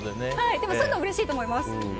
でも、そういうのはうれしいと思います。